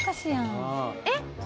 えっ？